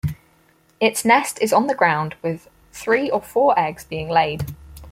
Its nest is on the ground, with three or four eggs being laid.